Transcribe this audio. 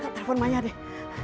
telepon maya deh